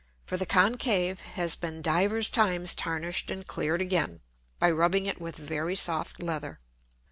For the concave has been divers times tarnished and cleared again, by rubbing it with very soft Leather.